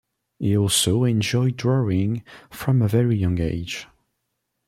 He also enjoyed drawing from a very young age.